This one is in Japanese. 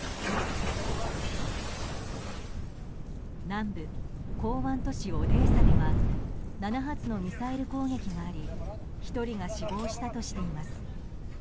南部、港湾都市オデーサでは７発のミサイル攻撃があり１人が死亡したとしています。